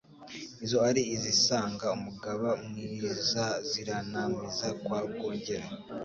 Izo ari izisanga umugaba mwizaZiranamiza kwa Rwogera